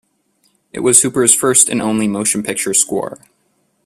It was Hooper's first and only motion picture score.